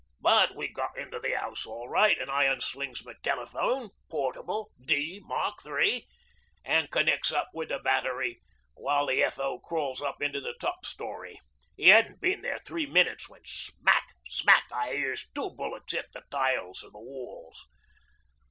But we got into the house all right an' I unslings my Telephone Portable D Mark III., an' connects up with the Battery while the F. O. crawls up into the top storey. 'E hadn't been there three minutes when smack ... smack, I hears two bullets hit the tiles or the walls.